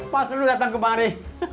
pas lu datang kemari